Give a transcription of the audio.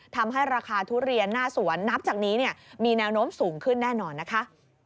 ทำให้ราคาทุเรียนหน้าสวนนับจากนี้มีแนวโน้มสูงขึ้นแน่นอนนะคะ